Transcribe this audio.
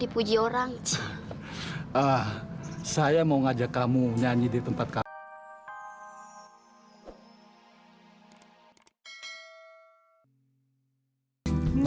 puji orang saya mau ngajak kamu nyanyi di tempat kamu